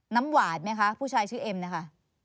น้ำหวานไหมคะผู้ชายชื่อเอ็มนะคะ